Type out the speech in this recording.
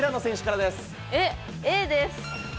えっ、Ａです。